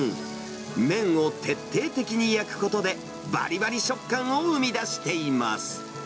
麺を徹底的に焼くことで、ばりばり食感を生み出しています。